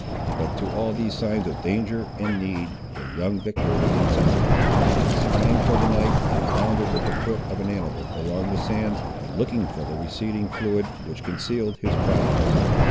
But to all these signs of danger and need, the young victor was insensible. He sprang for the knife, and bounded with the foot of an antelope along the sands, looking for the receding fluid which concealed his prize.